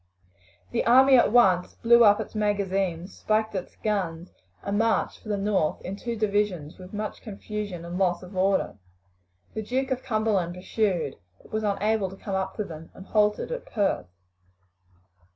The army at once blew up its magazines, spiked its guns, and marched for the north in two divisions with much confusion and loss of order. The Duke of Cumberland pursued, but was unable to come up to them, and halted at Perth.